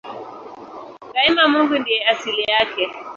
Daima Mungu ndiye asili yake.